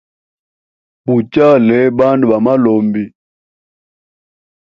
Muchale bandu ba malombi.